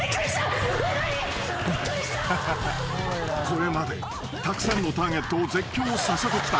［これまでたくさんのターゲットを絶叫させてきた］